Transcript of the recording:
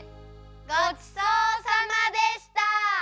ごちそうさまでした！